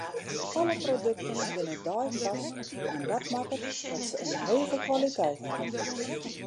Alle produkten binne deifarsk en dat makket dat se in hege kwaliteit hawwe.